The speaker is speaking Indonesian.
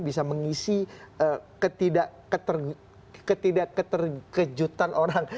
bisa mengisi ketidak keterkejutan orang